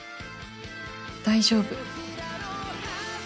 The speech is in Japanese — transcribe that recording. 大丈夫。